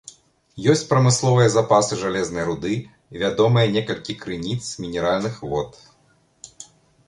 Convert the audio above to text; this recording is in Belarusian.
Ёсць прамысловыя запасы жалезнай руды, вядомыя некалькі крыніц мінеральных вод.